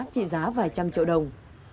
trị giá vài trăm triệu đồng